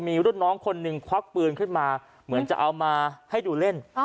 มีรุ่นน้องคนหนึ่งควักปืนขึ้นมาเหมือนจะเอามาให้ดูเล่น